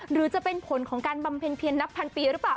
หรือจะเป็นผลของการบำเพ็ญเพียรนับพันปีหรือเปล่า